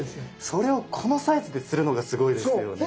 それをこのサイズでするのがすごいですよね。